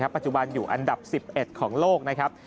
ปัจจุบันอยู่อันดับ๑๑ของโลกนะครับ